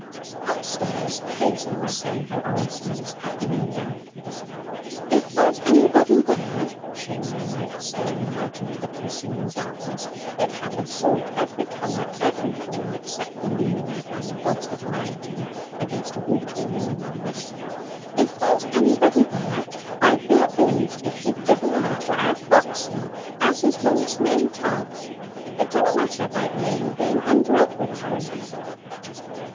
Upstairs, Hazel was saying her orisons at the window. 'If there's anybody there,' she murmured, staring out into the consuming darkness that had absorbed every colour, every form, except the looming outline of God's Little Mountain against a watery moon rise 'if there's anybody there, I'd be obleeged if you'd give an eye to our Foxy, as is lonesome in tub. It dunna matter about me, being under Ed'ard's roof.'